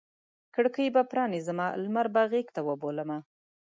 کړکۍ به پرانیزمه لمر به غیږته وبولمه